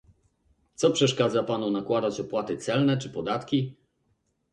"Co przeszkadza panu nakładać opłaty celne czy podatki?"